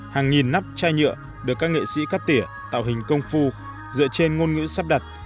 hàng nghìn nắp chai nhựa được các nghệ sĩ cắt tỉa tạo hình công phu dựa trên ngôn ngữ sắp đặt